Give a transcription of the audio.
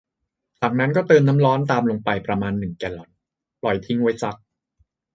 จากนั้นก็เติมน้ำร้อนตามลงไปประมาณ หนึ่ง แกลลอน ปล่อยทิ้งไว้สัก